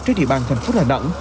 trên địa bàn thành phố hà nẵng